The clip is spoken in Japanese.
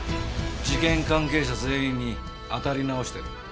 事件関係者全員にあたり直してる。